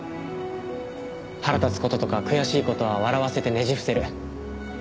腹立つ事とか悔しい事は笑わせてねじ伏せる。